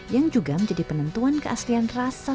yang juga menjadi penentuan keaslian rasa